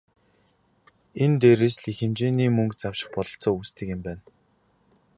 Энэ дээрээс л их хэмжээний мөнгө завших бололцоо үүсдэг юм байна.